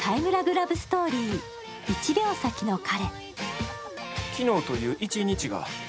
ラブストーリー、「１秒先の彼」。